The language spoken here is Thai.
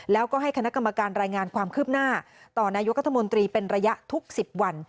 แล้วก็ให้คณะกรรมการรายงานความคืบหน้าต่อนายกรัฐมนตรีเป็นระยะทุก๑๐วัน